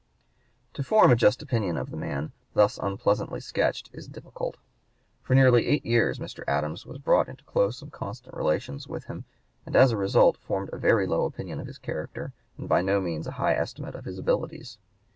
To form a just opinion of the man thus unpleasantly sketched is difficult. For nearly eight years Mr. Adams was brought into close and constant relations with him, and as a result formed a very low opinion of his character and by no means a high estimate of his abilities.